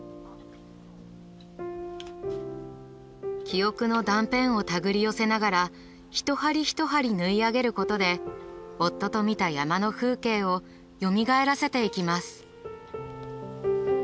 記憶の断片を手繰り寄せながら一針一針縫い上げることで夫と見た山の風景をよみがえらせていきます。